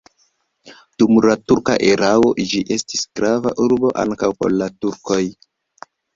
Dum la turka erao ĝi estis grava urbo ankaŭ por la turkoj.